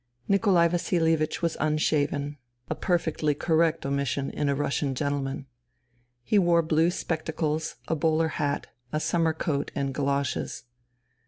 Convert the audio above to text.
Nikolai Vasilievich was unshaven — a perfectly correct omission in a Russian gentleman. He wore blue spectacles, a bowler hat, a summer coat and goloshes.